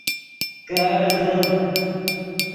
کیڑ دے